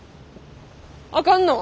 あかんの？